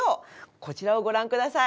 こちらをご覧ください。